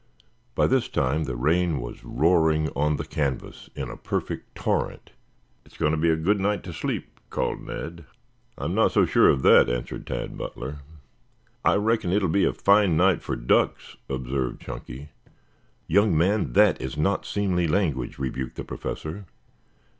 By this time the rain was roaring on the canvas in a perfect torrent. "It's going to be a good night to sleep," called Ned. "I am not so sure of that," answered Tad Butler. "I reckon it'll be a fine night for ducks," observed Chunky. "Young man, that is not seemly language," rebuked the Professor.